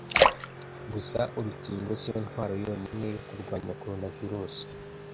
Gusa urukingo si yo ntwaro yonyine yo kurwanya coronavirus.